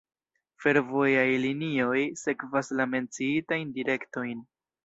Fervojaj linioj sekvas la menciitajn direktojn.